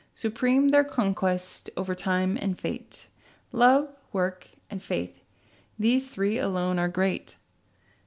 Supreme their conquest, over Time and Fate. Love, Work, and Faith—these three alone are great.